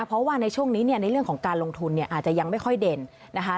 เพราะว่าในช่วงนี้เนี่ยในเรื่องของการลงทุนเนี่ยอาจจะยังไม่ค่อยเด่นนะคะ